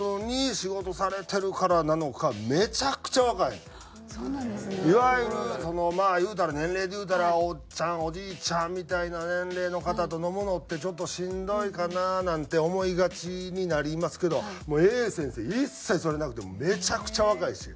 いわゆるそのまあいうたら年齢でいうたらおっちゃんおじいちゃんみたいな年齢の方と飲むのってちょっとしんどいかななんて思いがちになりますけどもう先生一切それなくてめちゃくちゃ若いし。